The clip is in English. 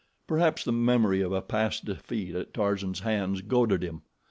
Perhaps the memory of a past defeat at Tarzan's hands goaded him.